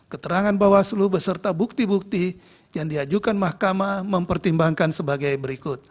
keterangan bawaslu beserta bukti bukti yang diajukan mahkamah mempertimbangkan sebagai berikut